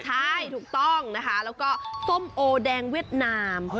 ใช่ถูกต้องนะคะแล้วก็ส้มโอแดงเวียดนาม